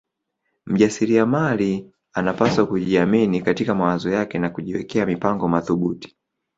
Mjasiliamali anapaswa kujiamini katika mawazo yake na kujiwekea mipango mathubuti